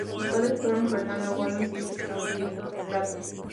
Sus padres fueron Fernando Gómez y Tránsito Prato.